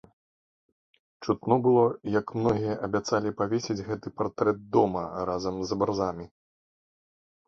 Чутно было, як многія абяцалі павесіць гэты партрэт дома разам з абразамі.